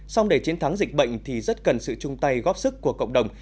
xong để chiến thắng dịch bệnh thì rất cần sự chung tay góp sức của cộng đồng